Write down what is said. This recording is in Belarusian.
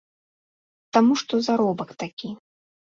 Таму што заробак такі.